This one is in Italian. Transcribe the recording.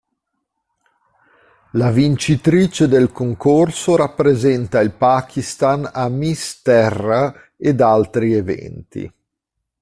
La vincitrice del concorso rappresenta il Pakistan a Miss Terra ed altri eventi.